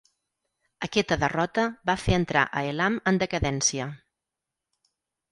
Aquesta derrota va fer entrar a Elam en decadència.